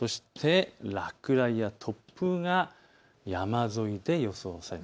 落雷や突風、山沿いで予想されます。